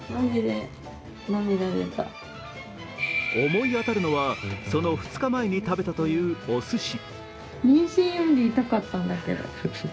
思い当たるのはその２日前に食べたというおすし。